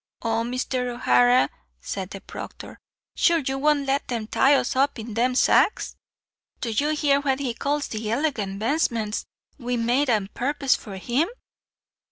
"Oh, Mr. O'Hara," said the proctor, "sure you won't let them tie us up in them sacks." "Do you hear what he calls the iligant vestments we made a' purpose for him?